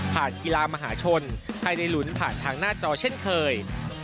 กีฬามหาชนให้ได้ลุ้นผ่านทางหน้าจอเช่นเคย